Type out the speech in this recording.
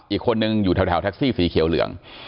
อีกคนนึงอยู่แถวแท็กซี่สีเขียวเหลือง